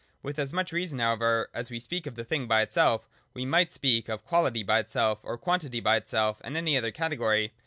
With as much reason however as we speak of the thing by itself, we might speak of quality by itself or quantity by itself, and of any other category.